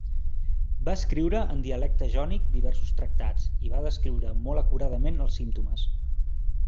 Va escriure en dialecte jònic diversos tractats i va descriure molt acuradament els símptomes.